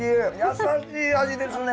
優しい味ですね。